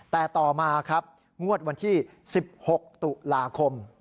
แต่ต่อมาครับงวดวันที่๑๖ตุลาคม